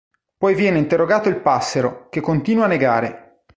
Poi viene interrogato il passero, che continua a negare.